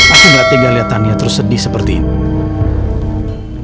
aku gak tinggal lihat tania terus sedih seperti ini